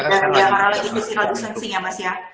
dan dia parah lagi misi luar usensi ya mas ya